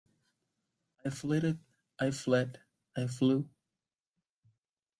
I flitted, I fled, I flew.